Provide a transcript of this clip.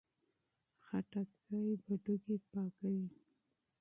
خربوزه پښتورګي پاکوي.